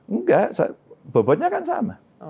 enggak bobotnya kan sama